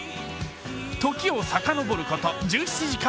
時をさかのぼること１７時間